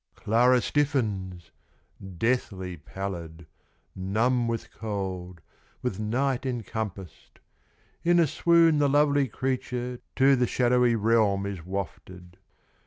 Clara stiffens! deathly pallid, Numb with cold, with night encompassed. In a swoon the lovely creature To the shadowy realm is wafted.